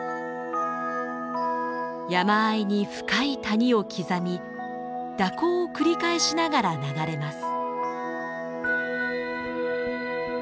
山あいに深い谷を刻み蛇行を繰り返しながら流れます。